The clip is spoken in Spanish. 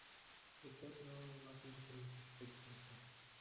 Deseo tener una imagen diferente, expresó.